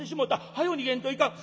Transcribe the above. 早よ逃げんといかん」。